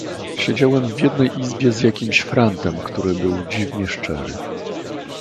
"siedziałem w jednej izbie z jakimś frantem, który był dziwnie szczery."